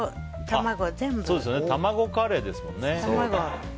卵カレーですもんね。